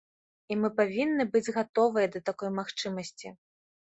І мы павінны быць гатовыя да такой магчымасці.